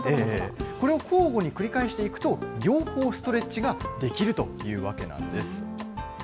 これを交互に繰り返していくと、両方ストレッチができるというわけなんです。